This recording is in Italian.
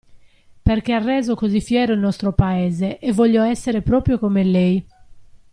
Perché ha reso così fiero il nostro paese, e voglio essere proprio come lei.